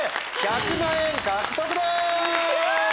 １００万円獲得です！